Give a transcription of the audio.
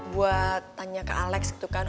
buat tanya ke alex gitu kan